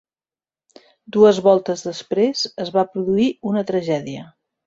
Dues voltes després, es va produir una tragèdia.